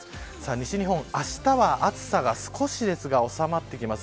西日本、あしたは暑さが少しですが収まってきます。